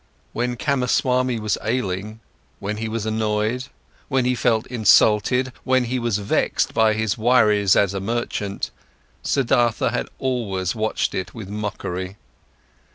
When Kamaswami was ailing, when he was annoyed, when he felt insulted, when he was vexed by his worries as a merchant, Siddhartha had always watched it with mockery.